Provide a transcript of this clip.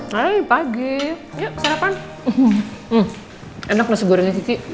hai pagi ya sarapan enak nasi goreng